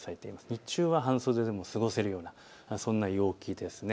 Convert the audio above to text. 日中は半袖でも過ごせるようなそんな陽気です。